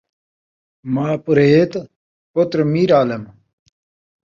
ماء پورہیئت ، پتر میر عالم